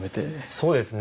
そうですね